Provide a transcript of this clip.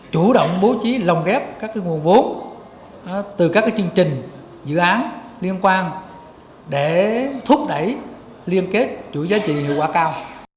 chủ động bố trí lồng ghép các nguồn vốn từ các chương trình dự án liên quan để thúc đẩy liên kết chuỗi giá trị hiệu quả cao